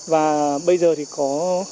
và bây giờ thì có